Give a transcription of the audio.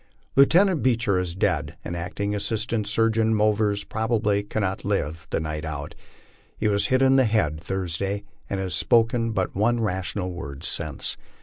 Lieutenant Beecher is dead, and Acting Assistant Surgeon Movers probably cannot live the night out. He was hit. in the head Thursday, and has spoken but one rational word since.